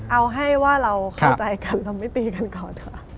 เอาให้ว่าเราเข้าใจกันเราไม่ตีกันก่อนค่ะ